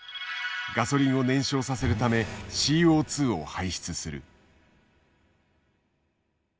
ガソリンを燃焼させるためＣＯを排出する。